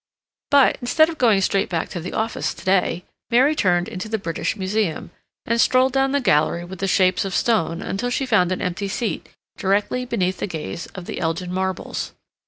But, instead of going straight back to the office to day, Mary turned into the British Museum, and strolled down the gallery with the shapes of stone until she found an empty seat directly beneath the gaze of the Elgin marbles.